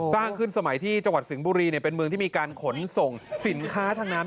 สร้างขึ้นสมัยที่จังหวัดสิงห์บุรีเป็นเมืองที่มีการขนส่งสินค้าทางน้ำ